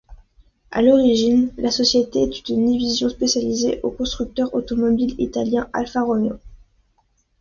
À l'origine, la société était une division spécialisée du constructeur automobile italien Alfa Romeo.